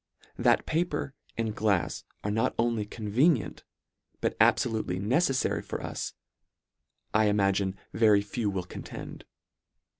That paper and glafs are not only convenient, but abfolutely neceifary for us, I imagine ve ry few will contend.